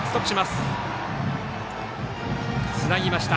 つなぎました。